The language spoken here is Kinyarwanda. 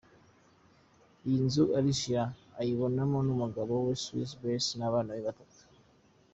Iyi nzu Alicia azayibanamo n’umugabo we Swizz Beatz n’abana be batatu.